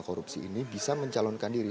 korupsi ini bisa mencalonkan diri